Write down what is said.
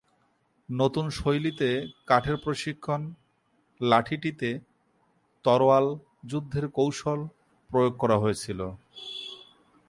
নতুন শৈলীতে কাঠের প্রশিক্ষণ-লাঠিটিতে তরোয়াল যুদ্ধের কৌশল প্রয়োগ করা হয়েছিল।